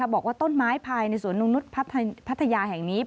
บอกว่าต้นไม้ภายในสวนนุ่งนุษย์พัทยาแห่งนี้